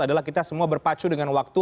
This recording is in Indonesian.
adalah kita semua berpacu dengan waktu